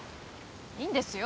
いいんですよ